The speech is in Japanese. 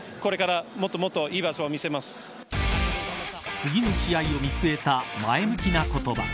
次の試合を見据えた前向きな言葉。